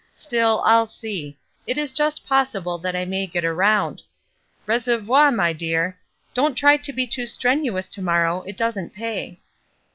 Still, I'll see; it is just pos sible that I may get around. Reservoir^ my dear. Don't try to be too strenuous to morrow ; it doesn't pay."